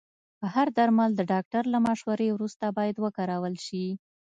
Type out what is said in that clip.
هر درمل د ډاکټر له مشورې وروسته باید وکارول شي.